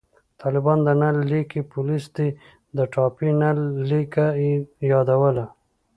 طالبان د نل لیکي پولیس دي، د ټاپي نل لیکه یې یادوله